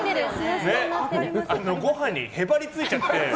ご飯にへばりついちゃって。